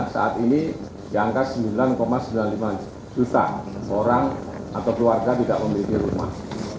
saat ini di angka sembilan sembilan puluh lima juta orang atau keluarga tidak memiliki rumah